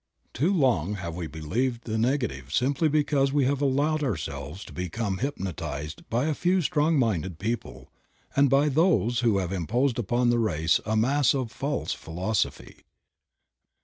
Too long have we believed in the negative simply because we have allowed ourselves to become hypnotized by a few strong minded people, and by those who have imposed upon the race a mass of false philosophy.